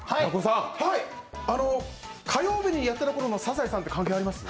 火曜日にやってたころの「サザエさん」って関係あります？